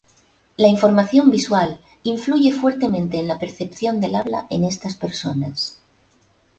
La información visual influye fuertemente en la percepción del habla en estas personas.